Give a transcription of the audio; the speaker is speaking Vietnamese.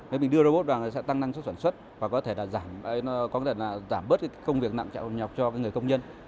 nếu mình đưa robot vào thì sẽ tăng năng suất sản xuất và có thể là giảm bớt công việc nặng nhọc cho người công nhân